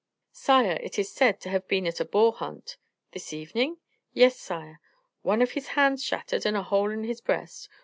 "Sire, it is said to have been at a boar hunt." "This evening?" "Yes, sire." "One of his hands shattered, and a hole in his breast.